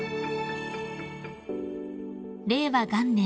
［令和元年